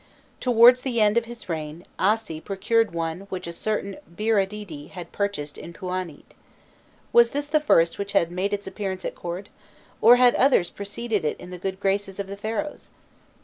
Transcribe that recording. Towards the end of his reign Assi procured one which a certain Biûrdidi had purchased in Pûanît. Was this the first which had made its appearance at court, or had others preceded it in the good graces of the Pharaohs?